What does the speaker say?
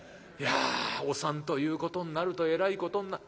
いやお産ということになるとえらいことに。